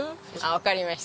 わかりました。